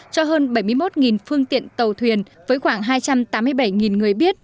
cho hơn bảy mươi một phương tiện tàu thuyền với khoảng hai trăm tám mươi bảy người biết